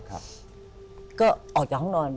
ก็ออกอย่างห้องนอน